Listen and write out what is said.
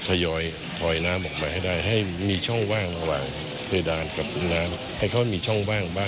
ทยอยถอยน้ำออกไปให้ได้ให้มีช่องว่างระหว่างด้านกับน้ำ